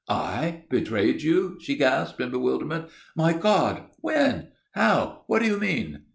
"I betrayed you?" she gasped, in bewilderment. "My God! When? How? What do you mean?"